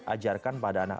ajarkan pada anak